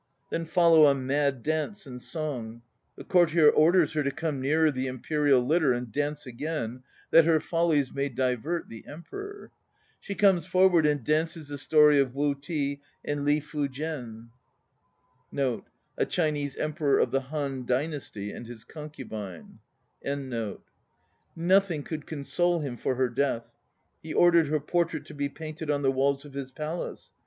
Then follow a "mad dance" and song. The courtier orders her to come nearer the Imperial litter and dance again, that her follies may divert the Emperor. She comes forward and dances the story of Wu Ti and Li Fu jen. 1 Nothing could console him for her death. He ordered her portrait to be painted on the walls of his palace.